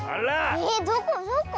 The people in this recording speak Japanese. えっどこどこ？